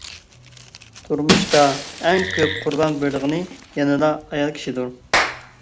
تۇرمۇشتا ئەڭ كۆپ قۇربان بېرىدىغىنى يەنىلا ئايال كىشىدۇر.